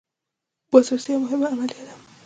بازرسي یوه مهمه عملیه ده.